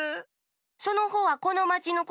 そのほうはこのまちのこか？